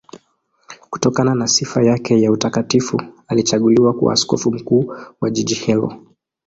Kutokana na sifa yake ya utakatifu alichaguliwa kuwa askofu mkuu wa jiji hilo.